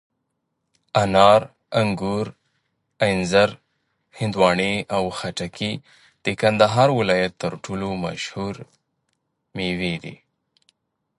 انار، انګور، انځر، هندواڼې او خټکي د کندهار ولایت تر ټولو مشهوري مېوې دي.